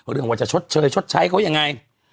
เรื่องว่าจะชดเชยชดใช้เขายังไง